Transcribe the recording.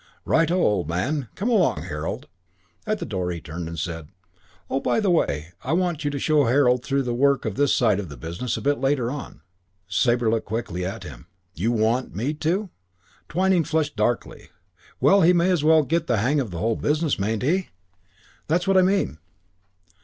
"Righto, old man. Come along, Harold." At the door he turned and said, "Oh, by the way. I want you to show Harold through the work of this side of the business a bit later on." Sabre looked quickly at him. "You want me to?" Twyning flushed darkly. "Well, he may as well get the hang of the whole business, mayn't he? That's what I mean."